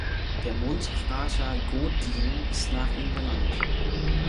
Der Mondkrater Godin ist nach ihm benannt.